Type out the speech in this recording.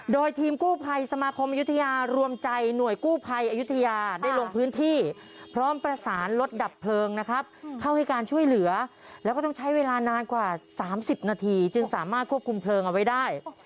โดยทีมกู้ภัยสมาคมอยุธยารวมใจหน่วยกู้ภัยอายุทยาได้ลงพื้นที่พร้อมประสานรถดับเพลิงนะครับเข้าให้การช่วยเหลือแล้วก็ต้องใช้เวลานานกว่า๓๐นาทีจึงสามารถควบคุมเพลิงเอาไว้ได้